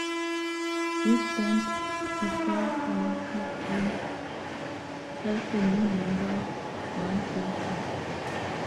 Leeds signed Casper Ankergren as the new number one goalkeeper.